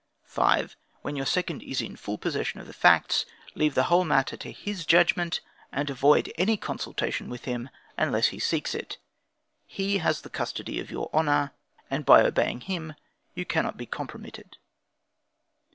5. When your second is in full possession of the facts, leave the whole matter to his judgment, and avoid any consultation with him unless he seeks it. He has the custody of your honor, and by obeying him you cannot be compromitted.